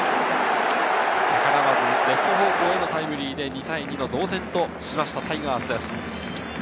逆らわずレフト方向へのタイムリーで２対２の同点としたタイガースです。